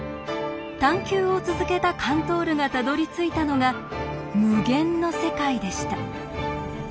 探求を続けたカントールがたどりついたのが「無限」の世界でした。